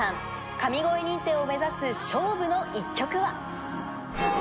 神声認定を目指す勝負の１曲は。